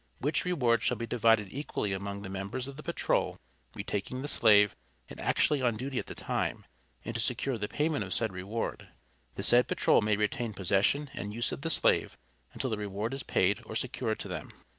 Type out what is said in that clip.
Which reward shall be divided equally among the members of the patrol retaking the slave and actually on duty at the time; and to secure the payment of said reward, the said patrol may retain possession and use of the slave until the reward is paid or secured to them.